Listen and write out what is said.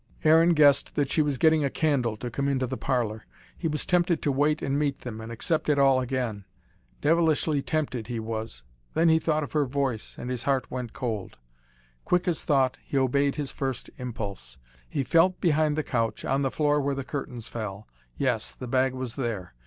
Aaron guessed that she was getting a candle to come into the parlour. He was tempted to wait and meet them and accept it all again. Devilishly tempted, he was. Then he thought of her voice, and his heart went cold. Quick as thought, he obeyed his first impulse. He felt behind the couch, on the floor where the curtains fell. Yes the bag was there.